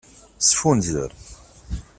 Sfunzer.